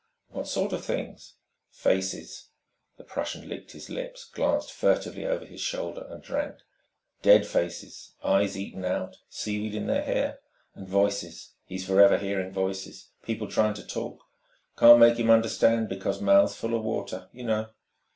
"What sort of things?" "Faces." The Prussian licked his lips, glanced furtively over his shoulder, and drank. "Dead faces, eyes eaten out, seaweed in their hair.... And voices he's forever hearing voices ... people trying to talk, 'can't make him understand because 'mouths 'full of water, you know.